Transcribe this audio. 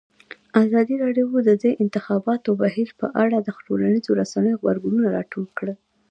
ازادي راډیو د د انتخاباتو بهیر په اړه د ټولنیزو رسنیو غبرګونونه راټول کړي.